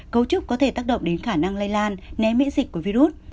cấu trúc có thể tác động đến khả năng lây lan né miễn dịch của virus